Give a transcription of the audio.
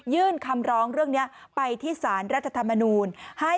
ยื่นคำร้องเรื่องนี้ไปที่สารรัฐธรรมนูล